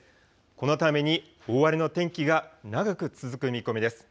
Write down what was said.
このために大荒れの天気が長く続く見込みです。